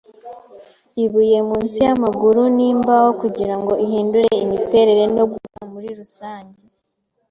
ibuye munsi yamaguru, nimbaho kugirango ihindure imiterere no gukura murirusange